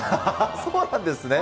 そうなんですね。